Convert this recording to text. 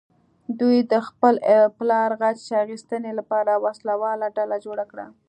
دوی د خپل پلار غچ اخیستنې لپاره وسله واله ډله جوړه کړه.